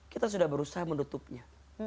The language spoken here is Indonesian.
kita sudah berusaha menutupnya